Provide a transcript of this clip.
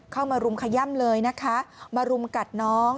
มารุมขย่ำเลยนะคะมารุมกัดน้อง